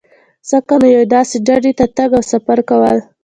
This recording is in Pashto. ځکه نو یوې داسې ډډې ته تګ او سفر کول.